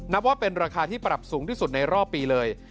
นับว่าเป็นราคาที่ปรับสูงที่สุดในรอบปีเลย